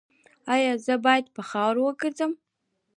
ایا زه باید په خاورو وګرځم؟